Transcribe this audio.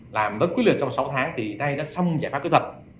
làm bất quyết liệt trong sáu tháng thì nay đã xong giải pháp kỹ thuật